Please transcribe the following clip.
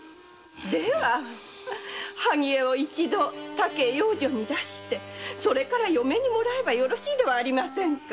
では萩絵を一度他家へ養女に出してから嫁にもらえばよろしいではありませんか。